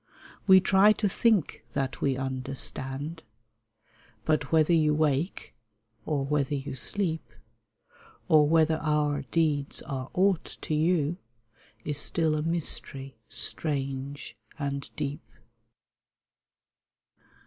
We try to think that we understand ; But whether you wake, or whether you sleep, Or whether our deeds are aught to you, Is still a mystery strange and deep